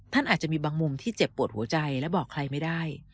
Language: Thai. อาจจะมีบางมุมที่เจ็บปวดหัวใจและบอกใครไม่ได้